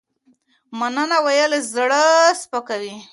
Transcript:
مننه ويل زړه سپکوي